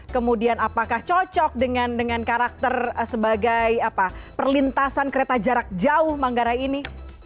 kemudian apakah cocok dengan karakter sebagai perlintasan kereta jarak jauh manggarai ini